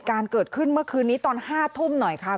เหตุการณ์เกิดขึ้นเมื่อคืนนี้ตอน๕ทุ่มหน่อยค่ะ